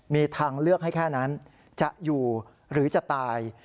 มีทางเลือกให้แค่นั้นจะอยู่หรือจะตาย